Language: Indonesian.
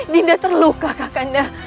dinda terluka kakanda